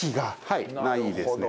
はいないですね。